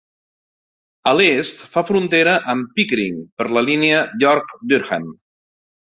A l'est fa frontera amb Pickering per la línia York-Durham.